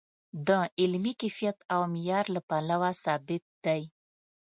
د علمي کیفیت او معیار له پلوه ثابت دی.